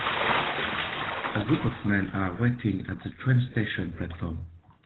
A group of men are waiting at a train station platform.